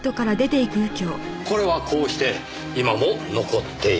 これはこうして今も残っている。